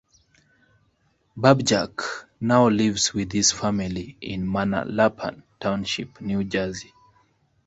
Babjak now lives with his family in Manalapan Township, New Jersey.